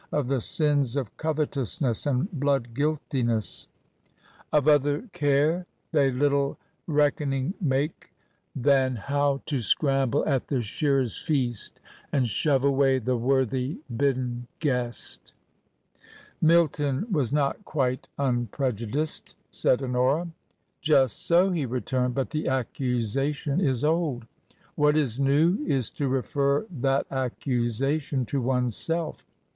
of the sins of covetousness and blood guiltiness ?' Of other care they little reckoning make Than how to scramble at the shearer^ s feast And shove away the worthy bidden guest,* "" Milton was not quite unprejudiced," said Honora. " Just so," he returned. " But the accusation is old. What is new is to refer that accusation to one's self.